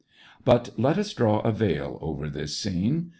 But let us draw a veil over this scene.